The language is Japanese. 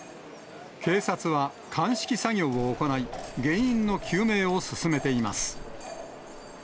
警察は鑑識作業を行い、原因の究明を進めています。